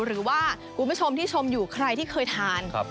หรือว่าคุณผู้ชมที่ชมอยู่คลายที่เคยทาน